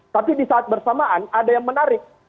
tapi di saat bersamaan ada yang menarik